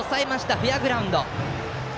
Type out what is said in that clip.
フェアグラウンド。